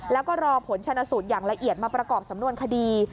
แล้วก็รอผลชนะสูตรอย่างละเอียดมาประกอบสำนวนคดี